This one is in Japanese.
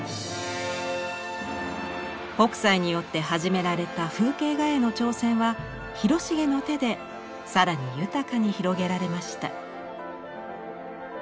北斎によって始められた風景画への挑戦は広重の手で更に豊かに広げられました。